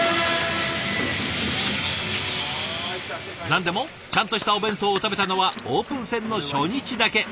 何でもちゃんとしたお弁当を食べたのはオープン戦の初日だけ。